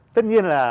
tất nhiên là